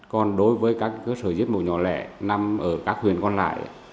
còn đối với các cơ sở giết mổ nhỏ lẻ nằm ở các huyện còn lại